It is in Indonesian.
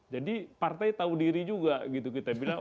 partai tahu diri juga gitu kita bilang